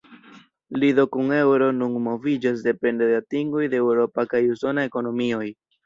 Lido kun eŭro nun moviĝos depende de atingoj de eŭropa kaj usona ekonomioj.